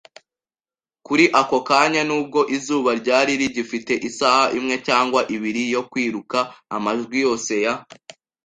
Kuri ako kanya, nubwo izuba ryari rigifite isaha imwe cyangwa ibiri yo kwiruka, amajwi yose ya